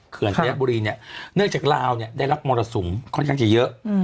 ธยบุรีเนี่ยเนื่องจากลาวเนี่ยได้รับมรสุมค่อนข้างจะเยอะ